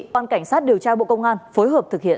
quan cảnh sát điều tra bộ công an phối hợp thực hiện